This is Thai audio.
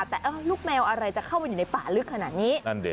แต่ลูกแมวอะไรจะเข้ามาอยู่ในป่าลึกขนาดนี้